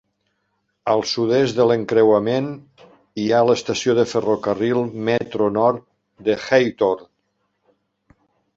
Al sud-est de l'encreuament hi ha l'estació de ferrocarril Metro-Nord de Hawthorne.